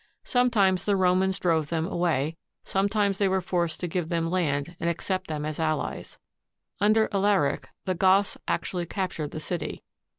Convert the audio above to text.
Sometimes the Romans drove them away; sometimes they were forced to give them land and accept them as allies. Under Alaric, the Goths actually captured the city.